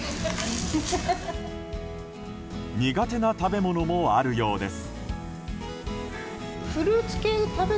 苦手な食べ物もあるようです。